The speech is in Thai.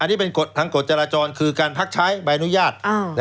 อ๋ออันนี้เป็นกฏทั้งกฏจรจรคือการพักใช้ไปหนุยาศ